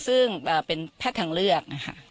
ซึ่งเป็นแพทย์ทางเลือกนะคะ